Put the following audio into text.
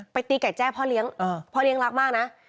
ตีไก่แจ้พ่อเลี้ยงพ่อเลี้ยงรักมากนะ